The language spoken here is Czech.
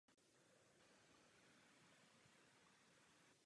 Její minulost a postoj, který často projevila, jsou toho ukazatelem.